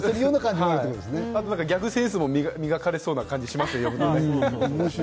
あとギャグセンスも磨かれそうな感じがしますね。